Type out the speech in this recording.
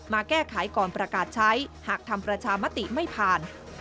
มาแก้ไขก่อนประกาศใช้หากทำประชามติไม่ผ่าน